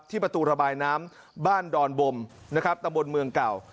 ประตูระบายน้ำบ้านดอนบมนะครับตำบลเมืองเก่า